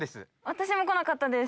私も来なかったです。